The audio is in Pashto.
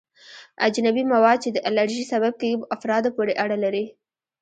اجنبي مواد چې د الرژي سبب کیږي په افرادو پورې اړه لري.